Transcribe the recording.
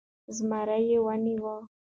زمری يې و نيوی .